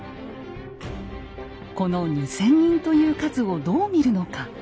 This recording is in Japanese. この２，０００人という数をどう見るのか。